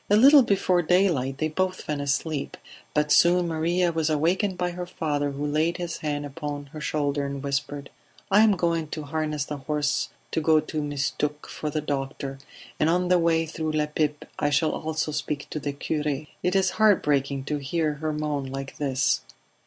A little before daylight they both fell asleep; but soon Maria was awakened by her father who laid his hand upon her shoulder and whispered: "I am going to harness the horse to go to Mistook for the doctor, and on the way through La Pipe I shall also speak to the cure. It is heart breaking to hear her moan like this."